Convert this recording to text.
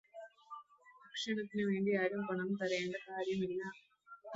ഭക്ഷണത്തിനു വേണ്ടിയാരും പണം തരേണ്ട കാര്യമില്ലാ